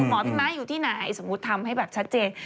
อันคุณหมอพี่ม้าอยู่ที่ไหนสมมติทำให้แบบชัดเจน